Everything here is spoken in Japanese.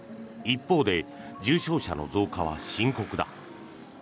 一方で重症者の増加は深刻だ。